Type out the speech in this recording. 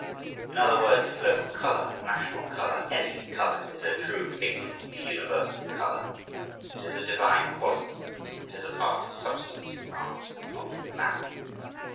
In other words, if local color, national color, any color, is a true pigment of the universal color, it is a divine quality, it is a part of substance in art not of manner.